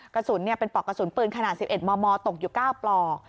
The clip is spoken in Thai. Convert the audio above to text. กระสุนเป็นปลอกกระสุนปืนขนาด๑๑มมตกอยู่๙ปลอก